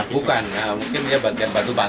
bukan mungkin dia bantuan